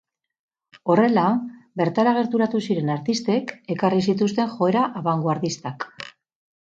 Horrela, bertara gerturatu ziren artistek ekarri zituzten joera abangoardistak.